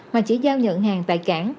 mà chỉ giao nhận hàng tại cản